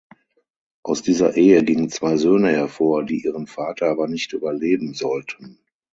Aus dieser Ehe gingen zwei Söhne hervor, die ihren Vater aber nicht überleben sollten.